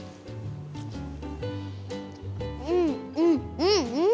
うんうんうんうん！